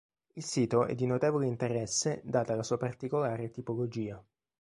Il sito è di notevole interesse, data la sua particolare tipologia.